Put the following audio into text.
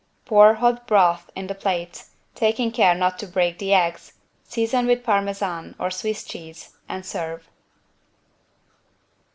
Pour hot broth in the plate, taking care not to break the eggs, season with Parmesan or Swiss cheese, and serve.